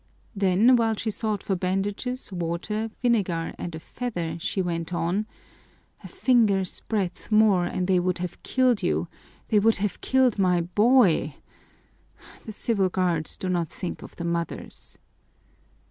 Then while she sought for bandages, water, vinegar, and a feather, she went on, "A finger's breadth more and they would have killed you, they would have killed my boy! The civil guards do not think of the mothers."